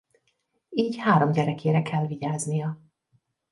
Így három gyerekére kell vigyáznia.